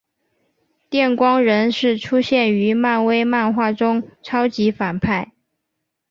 电光人是出现于漫威漫画中超级反派。